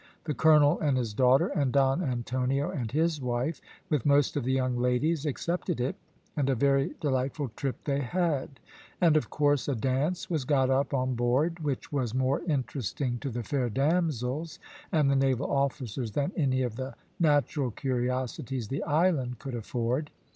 The colonel and his daughter, and Don Antonio and his wife, with most of the young ladies, accepted it, and a very delightful trip they had; and, of course, a dance was got up on board, which was more interesting to the fair damsels and the naval officers than any of the natural curiosities the island could afford.